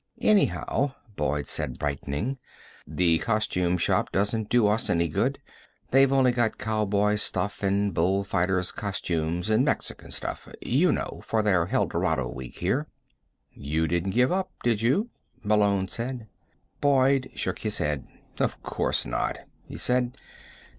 "Anyhow," Boyd said, brightening, "the costume shop doesn't do us any good. They've only got cowboy stuff and bullfighters' costumes and Mexican stuff you know, for their Helldorado Week here." "You didn't give up, did you?" Malone said. Boyd shook his head. "Of course not," he said.